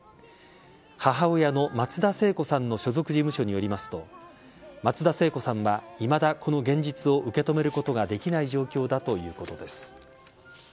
母親の松田聖子さんの所属事務所によりますと松田聖子さんは、いまだこの現実を受け止めることができない状況だということです。